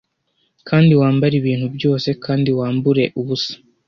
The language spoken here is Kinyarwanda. Kandi wambare ibintu byose kandi wambure ubusa;